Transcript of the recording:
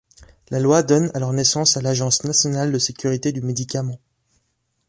La loi donne alors naissance à l’Agence nationale de sécurité du médicament.